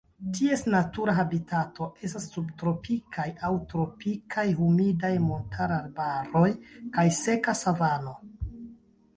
Ties natura habitato estas subtropikaj aŭ tropikaj humidaj montararbaroj kaj seka savano.